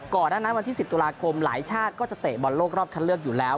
ก่อนหน้านั้นวันที่๑๐ตุลาคมหลายชาติก็จะเตะบอลโลกรอบคันเลือกอยู่แล้ว